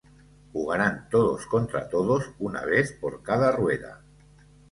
Jugaran todos contra todos una vez por cada rueda.